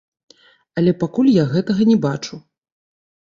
Але пакуль я гэтага не бачу.